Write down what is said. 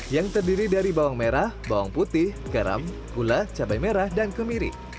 yang terdiri dari bawang merah bawang putih garam gula cabai merah dan kemiri